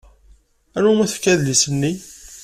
Anwa umi tefka adlis-nni?